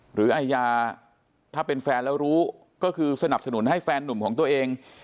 อาญาถ้าเป็นแฟนแล้วรู้ก็คือสนับสนุนให้แฟนนุ่มของตัวเอง